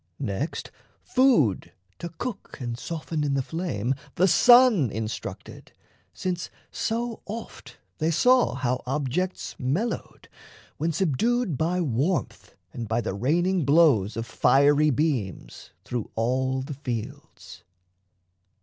Next, food to cook and soften in the flame The sun instructed, since so oft they saw How objects mellowed, when subdued by warmth And by the raining blows of fiery beams, Through all the fields.